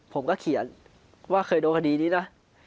ผมก็เขียนว่าเคยโดนคดีนี้นะ